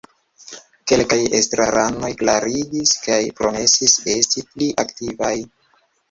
Kelkaj estraranoj klarigis kaj promesis esti pli aktivaj.